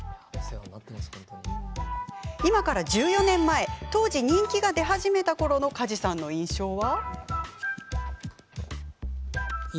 今から１４年前、当時人気が出始めた梶さんの印象は？